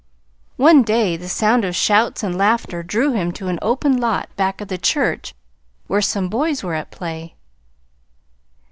One day the sound of shouts and laughter drew him to an open lot back of the church where some boys were at play.